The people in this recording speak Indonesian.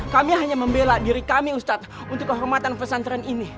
kami hanya membela diri kami ustadz untuk kehormatan pesantren ini